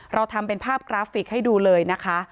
เราทำเป็นภาพกราฟิกให้ดูเลยนะคะ